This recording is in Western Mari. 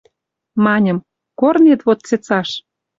Маньым: «Корнет вот цецаш